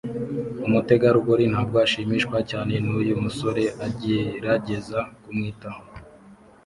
Umutegarugori ntabwo ashimishwa cyane nuyu musore agerageza kumwitaho